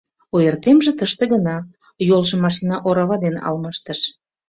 Ойыртемже тыште гына: йолжым машина орава дене алмаштыш.